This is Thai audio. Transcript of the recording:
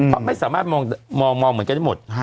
เพราะไม่สามารถมองเหมือนกันได้หมด